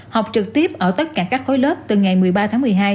học trực tiếp ở tất cả các khối lớp từ ngày một mươi ba tháng một mươi hai